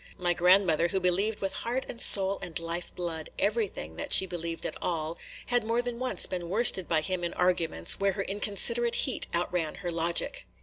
My grandmother, who believed with heart and soul and life blood everything that she believed at all, had more than once been worsted by him in arguments where her inconsiderate heat outran her logic.